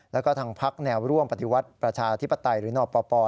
แล้วก็ทางพักแนวร่วมปฏิวัติประชาธิปไตยหรือนปป